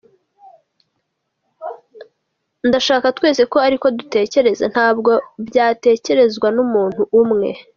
Ndashaka twese ko ariko dutekereza, ntabwo byatekerezwa n’umuntu umwe.